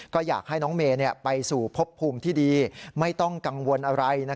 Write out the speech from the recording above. ก็อยากให้น้องเมย์ไปสู่พบภูมิที่ดีไม่ต้องกังวลอะไร